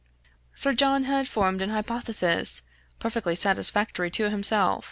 Sir John had soon formed an hypothesis perfectly satisfactory to himself.